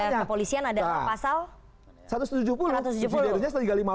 ya sekarang yang lihat kan penjelapan tersamanya